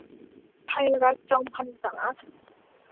ไพรัช จอมพรรษา